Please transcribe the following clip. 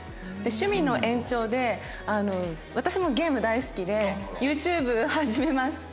趣味の延長で私もゲーム大好きでＹｏｕＴｕｂｅ始めまして。